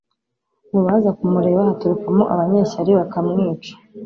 mu baza kumureba haturukamo abanyeshyari bakamwica.